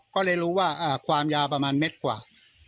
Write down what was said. ก็เลยรู้ว่าความยาวประมาณเม็ดกว่า